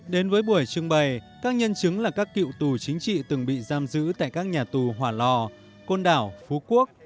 đến với buổi trưng bày các nhân chứng là các cựu tù chính trị từng bị giam giữ tại các nhà tù hỏa lò côn đảo phú quốc